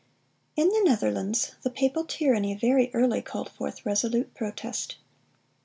] In the Netherlands the papal tyranny very early called forth resolute protest.